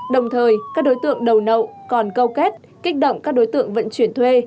đồng thời các đối tượng đầu nậu còn câu kết kích động các đối tượng vận chuyển thuê